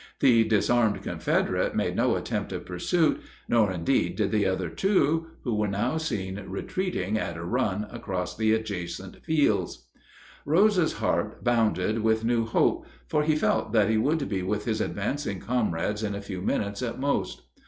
The disarmed Confederate made no attempt at pursuit, nor indeed did the other two, who were now seen retreating at a run across the adjacent fields. Rose's heart bounded with new hope, for he felt that he would be with his advancing comrades in a few minutes at most.